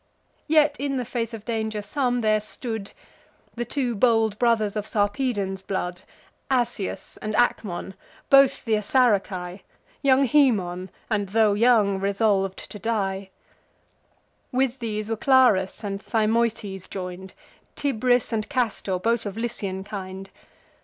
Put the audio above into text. Yet in the face of danger some there stood: The two bold brothers of Sarpedon's blood, Asius and Acmon; both th' Assaraci; Young Haemon, and tho' young, resolv'd to die. With these were Clarus and Thymoetes join'd; Tibris and Castor, both of Lycian kind.